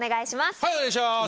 はいお願いします。